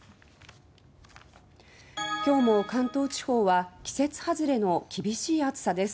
今日も関東地方は季節外れの厳しい暑さです。